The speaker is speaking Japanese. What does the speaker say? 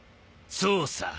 そうさ。